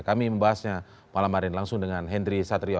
kami membahasnya malam hari ini langsung dengan hendry satrio